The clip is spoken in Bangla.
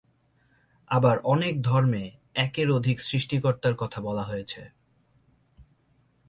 আবার অনেক ধর্মে একের অধিক সৃষ্টিকর্তার কথা বলা হয়েছে।